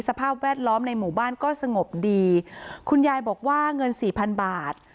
สภาพแวดล้อมในหมู่บ้านก็สงบดีคุณยายบอกว่าเงินสี่พันบาท